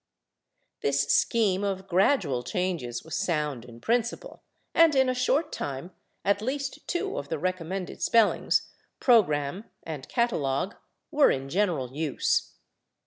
This scheme of gradual changes was sound in principle, and in a short time at least two of the recommended spellings, /program/ and /catalog/, were in general use.